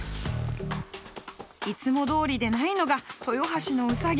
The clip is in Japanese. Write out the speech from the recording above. いつもどおりでないのが豊橋のウサギ。